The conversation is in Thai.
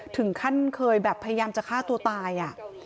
ถึงขั้นเคยแบบพยายามจะฆ่าตัวตายอ่ะ